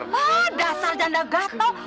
hah dasar janda gatel